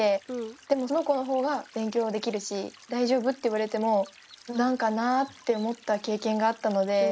でもその子の方が勉強はできるし「大丈夫」って言われてもなんかなって思った経験があったので。